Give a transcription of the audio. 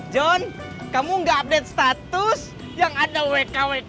john kamu gak update status yang ada wk wk wk wk wk nya gitu